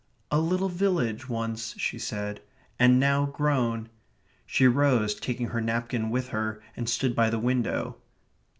"A little village once," she said, "and now grown...." She rose, taking her napkin with her, and stood by the window.